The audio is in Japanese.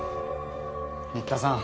新田さん